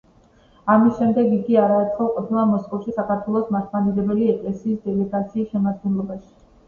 ამის შემდეგ იგი არაერთხელ ყოფილა მოსკოვში საქართველოს მართლმადიდებელი ეკლესიის დელეგაციის შემადგენლობაში.